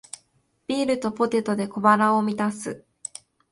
ビールとポテトで小腹を満たす